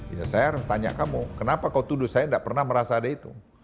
ya saya harus tanya kamu kenapa kau tuduh saya tidak pernah merasa ada itu